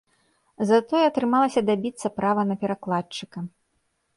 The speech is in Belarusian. Затое атрымалася дабіцца права на перакладчыка.